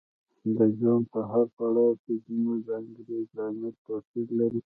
د ژوند په هر پړاو کې زموږ د انګېزې لامل توپیر لري.